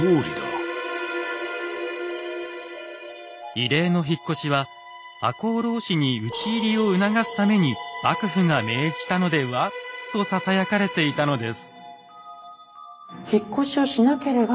異例の引っ越しは赤穂浪士に討ち入りを促すために幕府が命じたのでは？とささやかれていたのです。